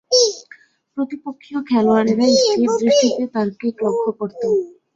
প্রতিপক্ষীয় খেলোয়াড়েরা স্থির দৃষ্টিতে তার কিক লক্ষ্য করতো।